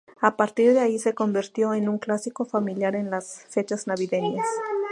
A partir de ahí se convirtió en un clásico familiar en las fechas navideñas.